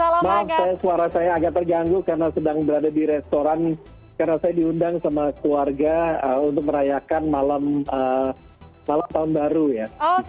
maaf suara saya agak terganggu karena sedang berada di restoran karena saya diundang sama keluarga untuk merayakan malam tahun baru ya